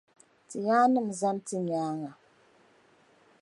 Ti yaanima zani ti nyaaŋa.